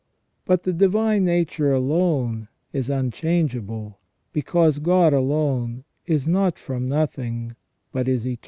But the divine nature alone is unchangeable, because God alone is not from nothing, but is eternal."